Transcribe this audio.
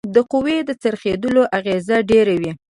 د قوې د څرخیدلو اغیزه ډیره وي.